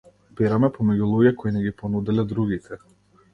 Бираме помеѓу луѓе кои ни ги понудиле другите.